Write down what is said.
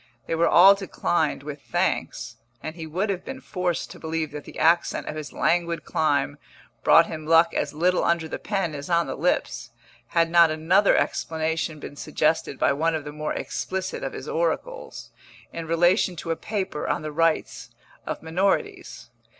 They were all declined with thanks, and he would have been forced to believe that the accent of his languid clime brought him luck as little under the pen as on the lips, had not another explanation been suggested by one of the more explicit of his oracles, in relation to a paper on the rights of minorities.